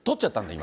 今。